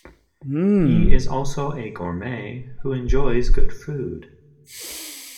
He is also a gourmet who enjoys good food.